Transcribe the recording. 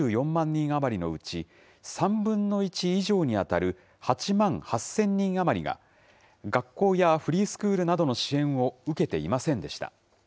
人余りのうち、３分の１以上に当たる８万８０００人余りが、学校やフリースクールなどの支援を受けていませんでした。